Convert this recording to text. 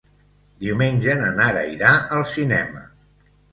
Diumenge na Nara irà al cinema.